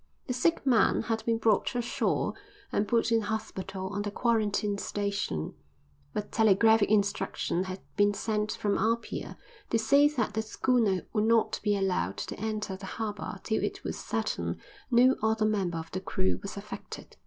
The sick man had been brought ashore and put in hospital on the quarantine station, but telegraphic instructions had been sent from Apia to say that the schooner would not be allowed to enter the harbour till it was certain no other member of the crew was affected.